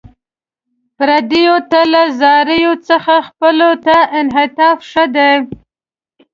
پردیو ته له زاریو څخه خپلو ته انعطاف ښه دی.